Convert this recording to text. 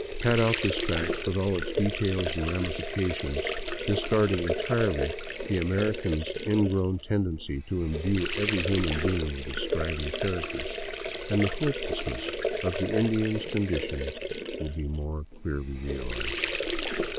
Pad out this fact with all its details and ramifications, discarding en tirely the American's ingrown tendency to imbue every human being with a striving character, and the hopelessness of the Indian's condi tion will be more clearly realized.